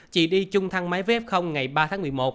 chị đi chung thăng máy với f ngày ba tháng một mươi một